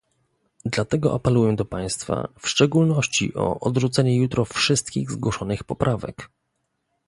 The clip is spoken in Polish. Dlatego apeluję do państwa w szczególności o odrzucenie jutro wszystkich zgłoszonych poprawek